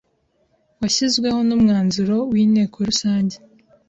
washyizweho n’umwanzuro w’Inteko Rusange